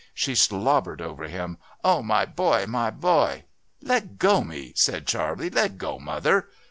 She slobbered over him: 'Oh, my boy! my boy!' 'Leggo me,' said Charley, 'leggo, mother!'